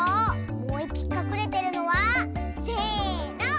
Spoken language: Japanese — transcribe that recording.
もういっぴきかくれてるのはせの！